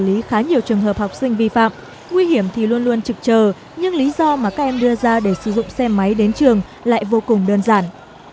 lý khá nhiều trường hợp học sinh vi phạm nguy hiểm thì luôn luôn trực chờ nhưng lý do mà các em đưa ra để sử dụng xe máy đến trường lại vô cùng đơn giản